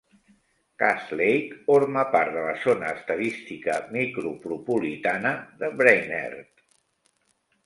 Cass Lake orma part de la zona estadística micropropolitana de Brainerd.